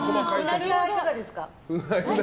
うなじはいかがですか？